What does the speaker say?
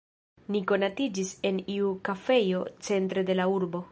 Ni konatiĝis en iu kafejo centre de la urbo.